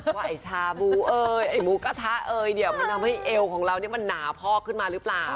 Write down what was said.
ว่าไอ้ชาบูเอ้ยไอ้หมูกระทะเอยเนี่ยมันทำให้เอวของเราเนี่ยมันหนาพอกขึ้นมาหรือเปล่า